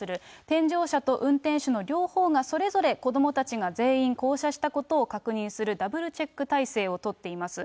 添乗者と運転手の両方が、それぞれ子どもたちが全員降車したことを確認するダブルチェック体制を取っています。